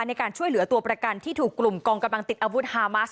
ในการช่วยเหลือตัวประกันที่ถูกกลุ่มกองกำลังติดอาวุธฮามาส